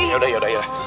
yaudah yaudah yaudah